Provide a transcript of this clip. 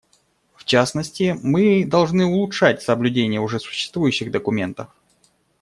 В частности, мы должны улучшать соблюдение уже существующих документов.